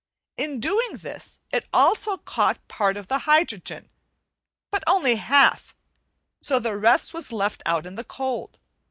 In doing this it also caught part of the hydrogen, but only half, and so the rest was left out in the cold.